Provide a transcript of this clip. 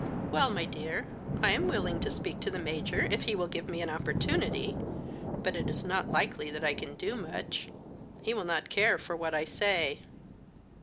"Well, my dear, I am willing to speak to the major, if he will give me an opportunity; but it is not likely that I can do much. He will not care for what I say."